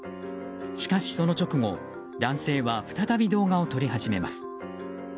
しかし、その直後男性は再び動画を撮り始めます。